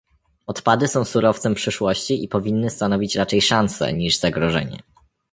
odpady są surowcem przyszłości i powinny stanowić raczej szansę niż zagrożenie